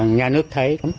nhà nước thấy